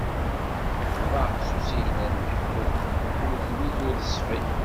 Tḍaq s usigna d leḥmu, ur twit ur teṣfi.